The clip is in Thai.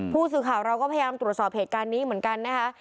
ผู้สื่อข่าวเราก็พยายามตรวจสอบเหตุการณ์นี้เหมือนกันนะคะ